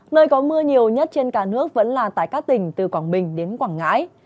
nơi có mưa nhiều nhất trên cả nước vẫn là tại các tỉnh từ quảng bình đến quảng ngãi